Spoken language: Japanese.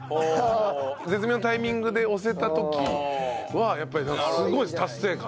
絶妙なタイミングで押せた時はやっぱりすごいです達成感。